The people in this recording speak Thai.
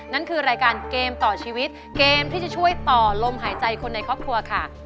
นั่นคือรายการเกมต่อชีวิตเกมที่จะช่วยต่อลมหายใจคนในครอบครัวค่ะ